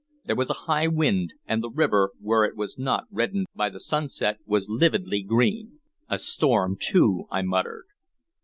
There was a high wind, and the river, where it was not reddened by the sunset, was lividly green. "A storm, too!" I muttered.